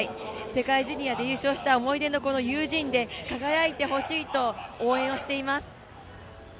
世界ジュニアで優勝した思い出のこのユージーンで輝いてほしいと応援をしています。